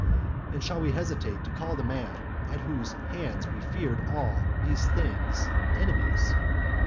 And shall we hesitate to call the men at whose hands we feared all these things enemies?